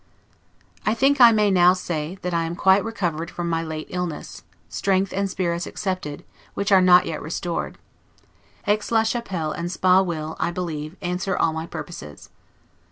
I think I may now say, that I am quite recovered from my late illness, strength and spirits excepted, which are not yet restored. Aix la Chapelle and Spa will, I believe, answer all my purposes.